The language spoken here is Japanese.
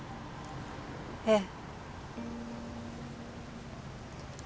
ええ。